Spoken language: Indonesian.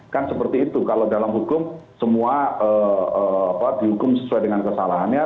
kan seperti itu kalau dalam hukum semua dihukum sesuai dengan kesalahannya